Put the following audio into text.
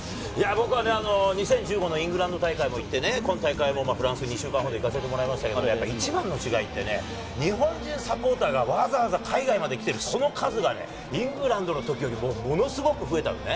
僕は２０１５年のイングランド大会も行って、今回もフランスに２週間ほど行かせてもらって、一番の取材って日本中サポーターがわざわざ海外まで来ている、その数がイングランドのときよりもものすごく増えたのね。